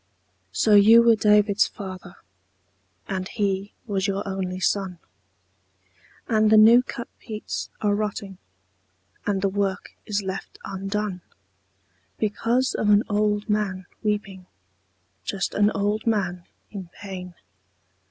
lO you were David's father, And he was your only son, And the new cut peats are rotting And the work is left undone. Because of an old man weeping, Just an old man in pain.